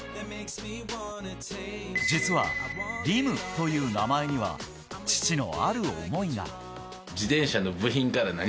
実は、輪夢という名前には、父のある思いが。